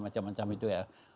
macam macam itu ya